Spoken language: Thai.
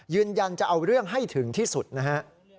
ยืนยันจะเอาเรื่องให้ถึงที่สุดนะฮะ